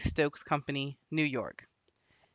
Stokes Company, New York_.